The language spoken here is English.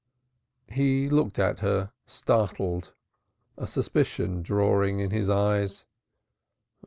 He looked at her, startled, a suspicion dawning in his eyes.